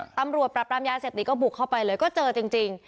ตำรวจปรับปรามยาเสพติดก็บุกเข้าไปเลยก็เจอจริง